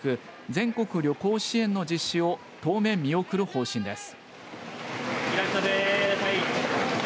全国旅行支援の実施を当面見送る方針です。